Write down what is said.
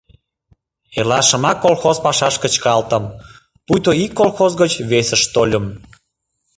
Эрлашымак колхоз пашаш кычкалтым, пуйто ик колхоз гыч весыш тольым.